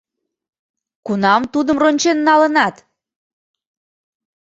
Кунам тудым рончен налынат?